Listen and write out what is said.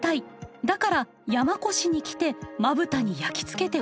だから山古志に来てまぶたに焼き付けてほしい。